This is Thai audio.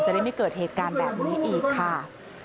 ได้ไม่เกิดเหตุการณ์แบบนี้อีกค่ะ